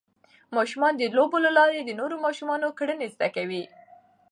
ماشومان د لوبو له لارې د نورو ماشومانو کړنې زده کوي.